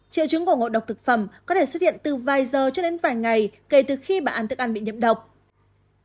triệu chứng của ngộ độc thực phẩm có thể xuất hiện từ vài giờ cho đến vài ngày kể từ khi bà ăn thức ăn bị nhiễm độc